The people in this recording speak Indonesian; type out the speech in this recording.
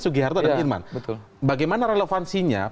sugi harto dan irman